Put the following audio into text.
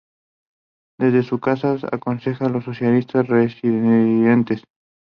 Desde su casa, aconseja a los socialistas resistentes.